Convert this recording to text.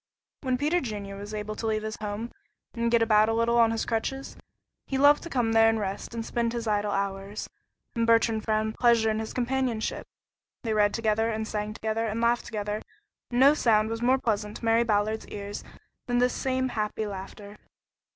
When Peter Junior was able to leave his home and get about a little on his crutches, he loved to come there and rest and spend his idle hours, and Bertrand found pleasure in his companionship. They read together, and sang together, and laughed together, and no sound was more pleasant to Mary Ballard's ears than this same happy laughter.